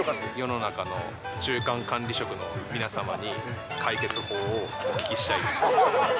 世の中の中間管理職の皆様に解決法をお聞きしたいです。